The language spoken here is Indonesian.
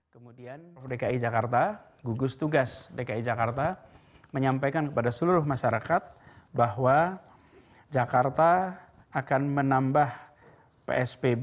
kemudian dki jakarta gugus tugas dki jakarta menyampaikan kepada seluruh masyarakat bahwa jakarta akan menambah psbb